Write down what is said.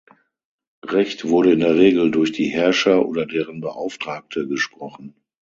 Recht wurde in der Regel durch die Herrscher oder deren Beauftragte gesprochen.